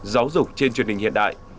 giáo dục trên truyền hình hiện đại